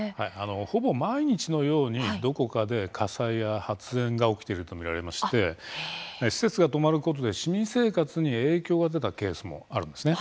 ほぼ毎日のようにどこかで火災や発煙が起きていると見られまして施設が止まることで市民生活に影響が出たケースもあるんです。